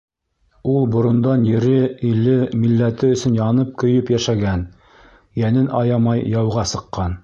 Ул борондан ере, иле, милләте өсөн янып-көйөп йәшәгән, йәнен аямай яуға сыҡҡан.